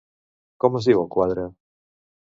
Com es diu el quadre?